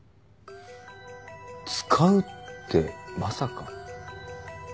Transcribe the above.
「使う」ってまさか。